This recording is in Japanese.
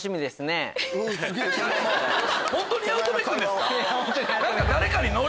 本当に八乙女君ですか？